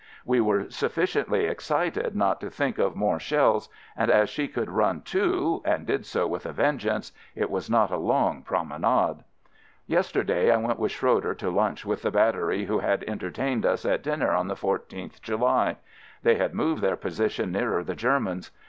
We were sufficiently excited not to think of more shells, and as she could run too — and did so with a vengeance — it was not a long "promenade"! Yesterday, I went with Schroeder to lunch with the battery who had enter tained us at dinner on the 14th July. They had moved their position nearer the Germans.